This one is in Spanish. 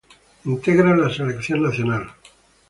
Integra la Selección nacional.